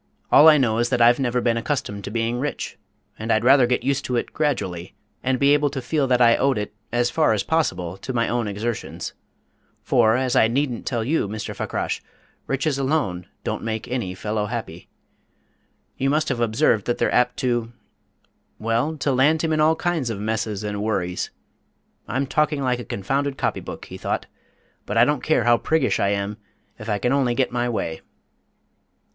"All I know is that I've never been accustomed to being rich, and I'd rather get used to it gradually, and be able to feel that I owed it, as far as possible, to my own exertions. For, as I needn't tell you, Mr. Fakrash, riches alone don't make any fellow happy. You must have observed that they're apt to well, to land him in all kinds of messes and worries.... I'm talking like a confounded copybook," he thought, "but I don't care how priggish I am if I can only get my way!"